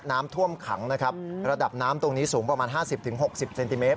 น้ำท่วมขังนะครับระดับน้ำตรงนี้สูงประมาณ๕๐๖๐เซนติเมตร